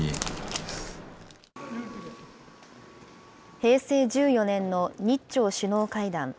平成１４年の日朝首脳会談。